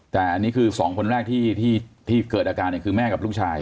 แต่อันนี้คือ๒คนแรกที่เกิดอาการคือแม่กับลูกชาย